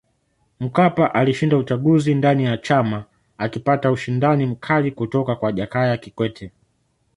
Mkapa alishinda uchaguzi ndani ya chama akipata ushindani mkali kutoka kwa Jakaya Kikwete